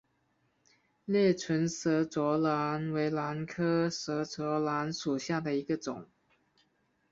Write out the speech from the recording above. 裂唇舌喙兰为兰科舌喙兰属下的一个种。